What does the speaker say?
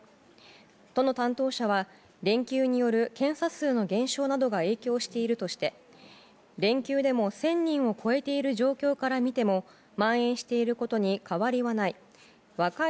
都の担当者は連休による検査数の減少などが影響しているとして連休でも１０００人を超えている状況から見てもまん延していることに変わりはない。